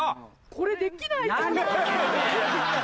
これできない。